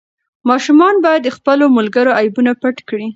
ماشومان باید د خپلو ملګرو عیبونه پټ کړي.